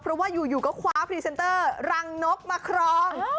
เพราะว่าอยู่ก็คว้าพรีเซนเตอร์รังนกมาครอง